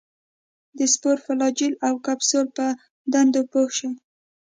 د سپور، فلاجیل او کپسول په دندو پوه شي.